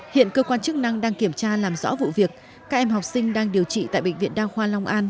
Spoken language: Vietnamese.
hiện cơ quan chức năng đang kiểm tra làm rõ vụ việc các em học sinh đang điều trị tại bệnh viện đa khoa long an